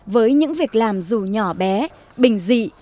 với những việc làm dù nhỏ bé bình dị